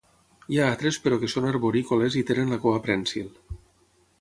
Hi ha altres però que són arborícoles i tenen la cua prènsil.